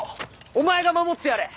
お前が守ってやれ。